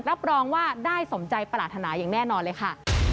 รับรองว่าได้สมใจปรารถนาอย่างแน่นอนเลยค่ะ